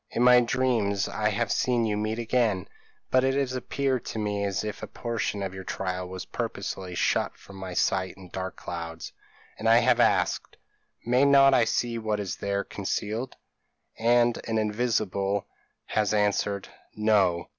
In my dreams I have seen you meet again; but it has appeared to me as if a portion of your trial was purposely shut from my sight in dark clouds; and I have asked, 'May not I see what is there concealed?' and an invisible has answered, 'No!